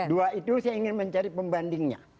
dua itu saya ingin mencari pembandingnya